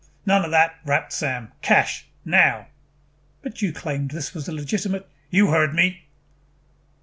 "None of that," rapped Sam. "Cash. Now." "But you claimed this was a legitimate " "You heard me."